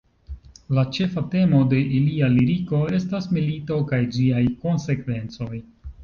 La ĉefa temo de ilia liriko estas milito kaj ĝiaj konsekvencoj.